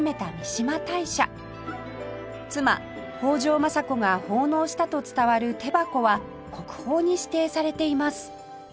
妻北条政子が奉納したと伝わる手箱は国宝に指定されています